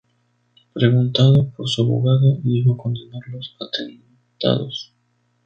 Preguntado por su abogado dijo condenar los atentados.